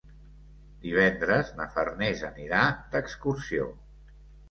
Divendres na Farners anirà d'excursió.